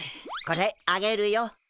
これあげるよ。